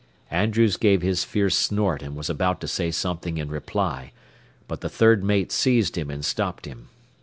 Andrews gave his fierce snort and was about to say something in reply, but the third mate seized him and stopped him.